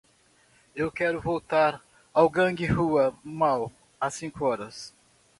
Eu quero voltar ao Guanghua Mall às cinco horas.